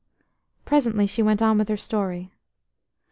Presently she went on with her story.